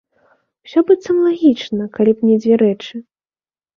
Усё, быццам, лагічна, калі б не дзве рэчы.